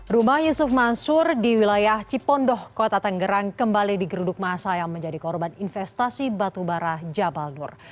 rumah yusuf mansur di wilayah cipondoh kota tanggerang kembali digeruduk masa yang menjadi korban investasi batu bara jabal nur